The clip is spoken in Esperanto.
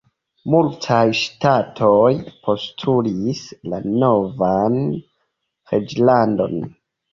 Multaj ŝtatoj postulis la novan reĝlandon.